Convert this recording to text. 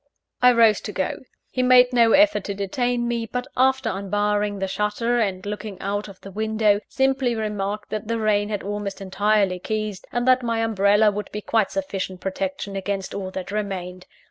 I rose to go. He made no effort to detain me; but, after unbarring the shutter and looking out of the window, simply remarked that the rain had almost entirely ceased, and that my umbrella would be quite sufficient protection against all that remained.